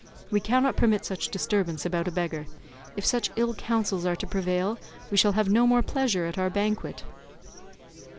We cannot permit such disturbance about a beggar; if such ill counsels are to prevail we shall have no more pleasure at our banquet."